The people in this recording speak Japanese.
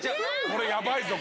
これやばいぞ。